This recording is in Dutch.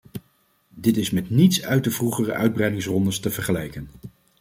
Dit is met niets uit de vroegere uitbreidingsrondes te vergelijken.